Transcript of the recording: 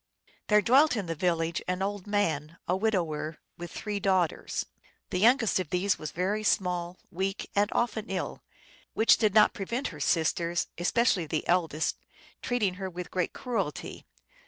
There dwelt in the village an old man, a widower, with three daughters. The youngest of these was very small, weak, and often ill, which did not prevent her sisters, especially the eldest, treating her with great cruelty.